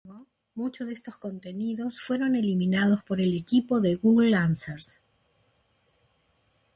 Sin embargo, muchos de estos contenidos fueron eliminados por el equipo de Google Answers.